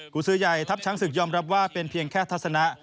ซื้อใหญ่ทัพช้างศึกยอมรับว่าเป็นเพียงแค่ทัศนะ